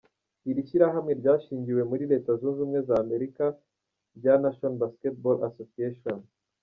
Iri shyirahamwe ryashingiwe muri Leta Zunze Ubumwe z’Amerika rya National Basketball Association.